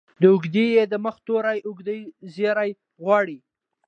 د اوږدې ې د مخه توری اوږدزير غواړي.